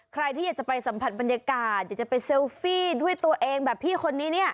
ใครที่อยากจะไปสัมผัสบรรยากาศอยากจะไปเซลฟี่ด้วยตัวเองแบบพี่คนนี้เนี่ย